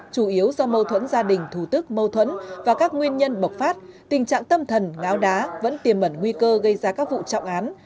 chủ yếu do mâu thuẫn gia đình thủ tức mâu thuẫn và các nguyên nhân bộc phát tình trạng tâm thần ngáo đá vẫn tiềm mẩn nguy cơ gây ra các vụ trọng án